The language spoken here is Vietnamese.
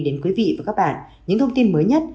đến quý vị và các bạn những thông tin mới nhất